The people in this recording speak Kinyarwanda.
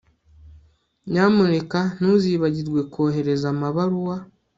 Nyamuneka ntuzibagirwe kohereza amabaruwa